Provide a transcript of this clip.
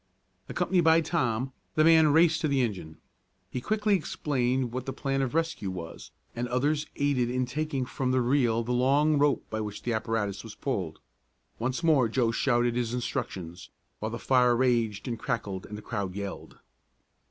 Accompanied by Tom, the man raced to the engine. He quickly explained what the plan of rescue was, and others aided in taking from the reel the long rope by which the apparatus was pulled. Once more Joe shouted his instructions, while the fire raged and crackled and the crowd yelled.